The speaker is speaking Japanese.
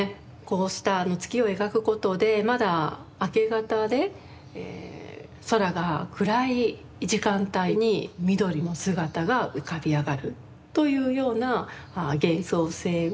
こうした月を描くことでまだ明け方で空が暗い時間帯に美登利の姿が浮かび上がるというような幻想性を強調しているわけですね。